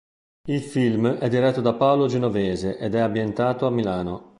Il film è diretto da Paolo Genovese ed è ambientato a Milano.